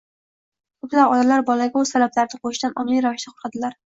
Ko‘plab onalar bolaga o‘z talablarini qo‘yishdan ongli ravishda qo‘rqadilar.